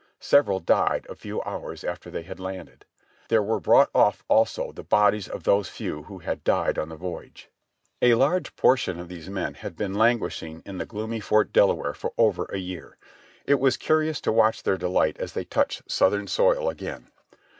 Several died a few hours after they had landed. There were brought ofif, also, the bodies of those few who had died on the voyage. A large portion of these men had been languishing in the gloomy Fort Delaware for over a year. It was curious to watch their delight as they touched Southern soil again.